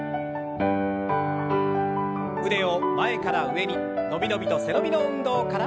腕を前から上に伸び伸びと背伸びの運動から。